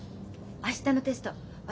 明日のテスト私